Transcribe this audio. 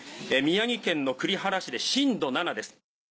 宮城県の栗原市で震度７です。